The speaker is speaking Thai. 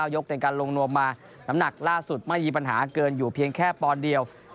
ยกในการลงนวมมาน้ำหนักล่าสุดไม่มีปัญหาเกินอยู่เพียงแค่ปอนด์เดียว